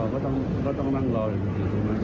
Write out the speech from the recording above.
ก็ต้องรอก็ต้องนั่งรออยู่ที่สุดไหม